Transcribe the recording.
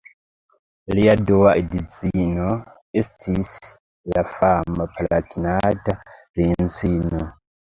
Lia dua edzino estis la fama Palatinata princino.